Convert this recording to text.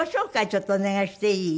ちょっとお願いしていい？